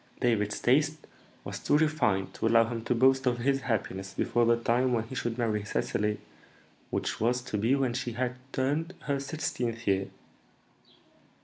David's taste was too refined to allow him to boast of his happiness before the time when he should marry Cecily, which was to be when she had turned her sixteenth year.